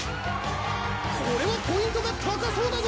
これはポイントが高そうだぞ！